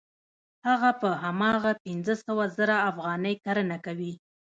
هغه په هماغه پنځه سوه زره افغانۍ کرنه کوي